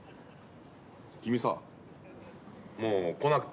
君さもう来なくていいで。